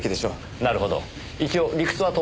なるほど一応理屈は通ってますね。